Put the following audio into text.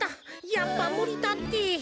やっぱむりだって。